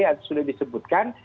atau sudah disebutkan